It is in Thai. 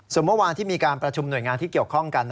ส่วนเมื่อวานที่มีการประชุมหน่วยงานที่เกี่ยวข้องกัน